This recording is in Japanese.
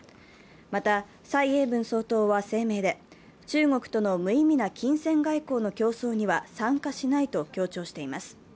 また蔡英文総統は声明で中国との無意味な金銭外交の競争には参加しないと強調しています。